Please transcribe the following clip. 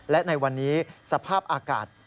และในวันนี้สภาพอากาศ